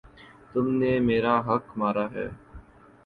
تم نے میرا حق مارا ہے